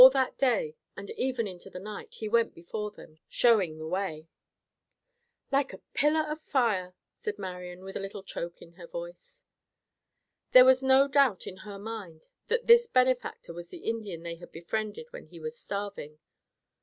All that day, and even into the night, he went before them, showing the way. "Like the pillar of fire," said Marian, with a little choke in her voice. There was no doubt in her mind that this benefactor was the Indian they had befriended when he was starving.